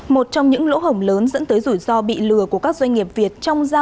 một trong những lỗ hổng lớn dẫn tới rủi ro bị lừa của các doanh nghiệp việt